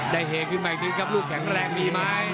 เหขึ้นมาอีกนิดครับลูกแข็งแรงดีไหม